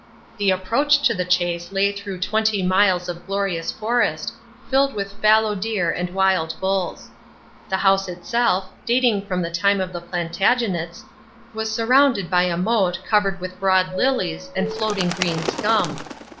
The approach to the Chase lay through twenty miles of glorious forest, filled with fallow deer and wild bulls. The house itself, dating from the time of the Plantagenets, was surrounded by a moat covered with broad lilies and floating green scum.